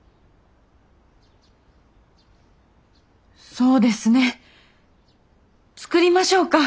そうですね。作りましょうか！